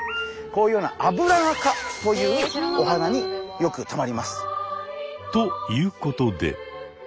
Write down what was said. こういうようなアブラナ科というお花によくとまります。ということで。